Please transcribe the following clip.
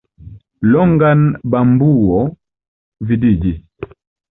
Longan bambuo vidiĝis.